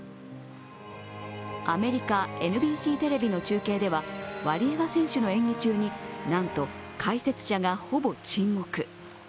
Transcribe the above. アメリカ・ＮＢＣテレビの中継では、ワリエワ選手の演技中に、なんと解説者がほぼ沈黙。